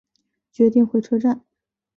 决定回车站